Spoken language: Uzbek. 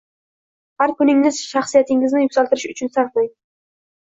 Har kuningizni shaxsiyatingizni yuksaltirish uchun sarflang